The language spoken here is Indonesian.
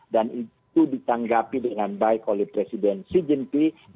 dan itu ditanggapi dengan baik oleh presiden xi jinping